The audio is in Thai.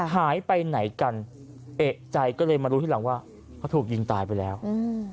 หายไปไหนกันเอกใจก็เลยมารู้ทีหลังว่าเขาถูกยิงตายไปแล้วอืม